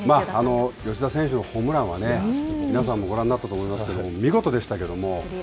吉田選手のホームランは皆さんもご覧になったと思いますけれども、見事でしたけども。